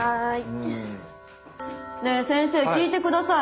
ねえ先生聞いて下さい。